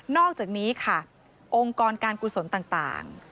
อกจากนี้ค่ะองค์กรการกุศลต่าง